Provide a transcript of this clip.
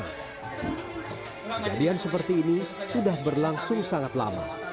kejadian seperti ini sudah berlangsung sangat lama